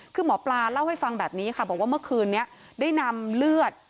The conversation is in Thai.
คือหมอปลาเล่าให้ฟังแบบนี้ค่ะบอกว่าเมื่อคืนนี้ได้นำเลือด